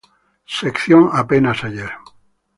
Sección Apenas ayer.